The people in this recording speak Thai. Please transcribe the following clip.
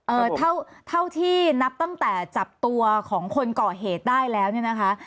เอ่อเท่าเท่าที่นับตั้งแต่จับตัวของคนก่อเหตุได้แล้วเนี่ยนะคะ